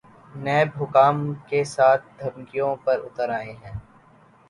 NAB حکام کے ساتھ دھمکیوں پہ اتر آئے ہیں۔